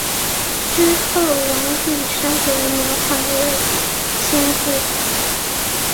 之后王瑜升为辽海卫千户。